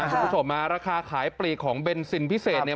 คุณผู้ชมฮะราคาขายปลีกของเบนซินพิเศษเนี่ย